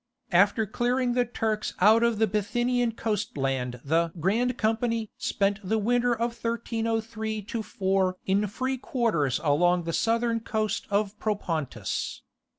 After clearing the Turks out of the Bithynian coast land the "Grand Company" spent the winter of 1303 4 in free quarters along the southern coast of Propontis.